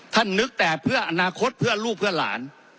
นึกแต่เพื่ออนาคตเพื่อลูกเพื่อหลาน